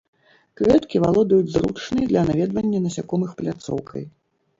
Кветкі валодаюць зручнай для наведвання насякомых пляцоўкай.